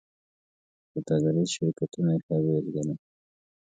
سوداګریز شرکتونه یې ښه بېلګه ده.